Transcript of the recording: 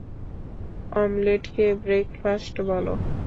অমলেটকে breakfast বলো?